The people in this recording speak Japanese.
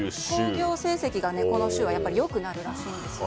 興行成績がこの週は良くなるらしいんですよね。